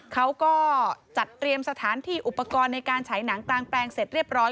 เขาก็จัดเตรียมสถานที่อุปกรณ์ในการฉายหนังกลางแปลงเสร็จเรียบร้อย